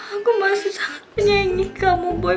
aku masih sangat menyayangi kamu boy